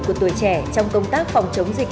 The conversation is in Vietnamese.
của tuổi trẻ trong công tác phòng chống dịch